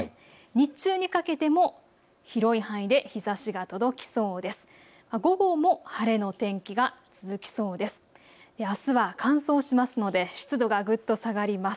日中にかけても広い範囲で日ざしが届きそうです。